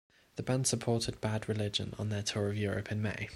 The band supported Bad Religion on their tour of Europe in May.